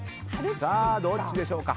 さあどっちでしょうか？